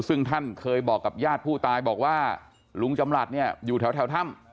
ซึ่งท่านเคยบอกกับญาติผู้ตายบอกว่าลุงจำหลัดเนี่ยอยู่แถวถ้ำ